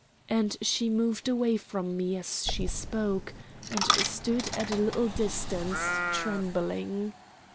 And she moved away from me as she spoke, and stood at a little distance, trembling.